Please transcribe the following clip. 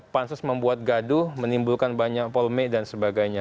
pansus membuat gaduh menimbulkan banyak polemik dan sebagainya